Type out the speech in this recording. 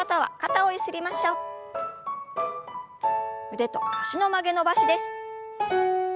腕と脚の曲げ伸ばしです。